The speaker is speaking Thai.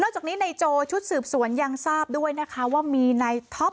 แต่ว่า